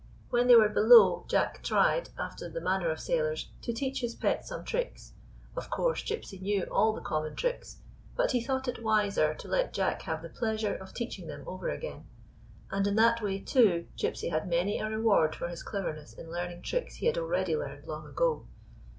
When they were below Jack tried, after the manner of sailors, to teach his pet some tricks. Of course, Gypsy knew all the common tricks; but he thought it wiser to let Jack have the pleasure of teaching them over again, and in that way, too, Gypsy had many a reward for his cleverness in learning tricks he had already learned long ago.